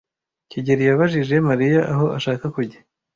kigeli yabajije Mariya aho ashaka kujya.